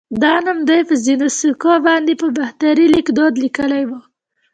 دا نوم دوی په ځینو سکو باندې په باختري ليکدود لیکلی و